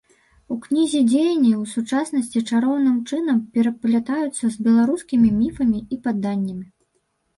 У кнізе дзеянні ў сучаснасці чароўным чынам пераплятаюцца з беларускімі міфамі і паданнямі.